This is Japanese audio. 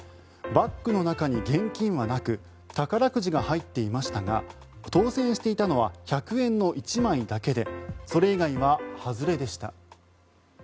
バッグの中に現金はなく宝くじが入っていましたが当選していたのは１００円の１枚だけでそれ以外は外れでした。